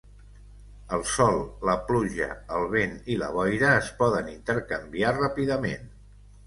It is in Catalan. El sol, la pluja, el vent i la boira es poden intercanviar ràpidament.